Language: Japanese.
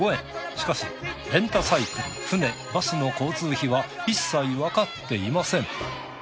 しかしレンタサイクル船バスの交通費は一切わかっていません。